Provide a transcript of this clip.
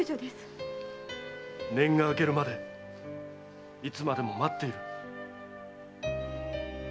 〔年が開けるまでいつまでも待っている〕